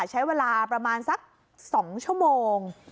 ใช้เวลาประมาณสัก๒ชั่วโมง